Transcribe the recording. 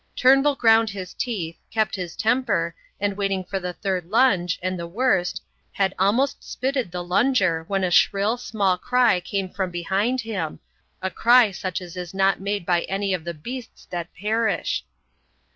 Turnbull ground his teeth, kept his temper, and waiting for the third lunge, and the worst, had almost spitted the lunger when a shrill, small cry came from behind him, a cry such as is not made by any of the beasts that perish.